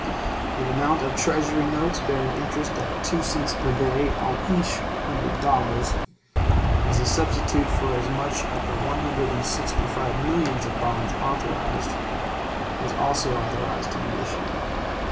An amount of Treasury notes bearing interest at two cents per day on each hundred dollars, as a substitute for as much of the one hundred and sixty five millions of bonds authorized, was also authorized to be issued.